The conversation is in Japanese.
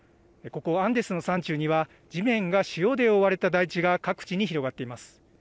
ここアンデスの山中には地面が塩で覆われた大地が各地に広がっています。